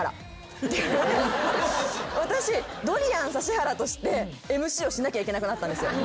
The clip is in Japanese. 私ドリアン指原としてＭＣをしなきゃいけなくなったんですよ。